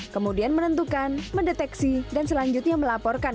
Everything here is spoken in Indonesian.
kemudian menentukan mendeteksi dan selanjutnya melapor kembali